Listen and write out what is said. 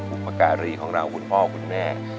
บุพการีของเราคุณพ่อคุณแม่